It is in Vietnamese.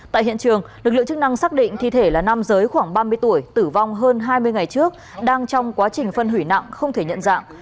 tại hiện trường lực lượng chức năng xác định thi thể là nam giới khoảng ba mươi tuổi tử vong hơn hai mươi ngày trước đang trong quá trình phân hủy nặng không thể nhận dạng